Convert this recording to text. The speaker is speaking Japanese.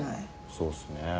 そうっすね。